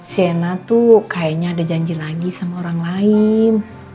sena tuh kayaknya ada janji lagi sama orang lain